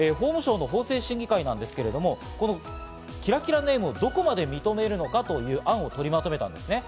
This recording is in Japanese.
法務省の法制審議会なんですけれどもキラキラネームをどこまで認めるのかという案を取りまとめたんですね。